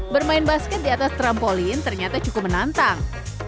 bermain basket di atas trampolin ternyata cukup menantang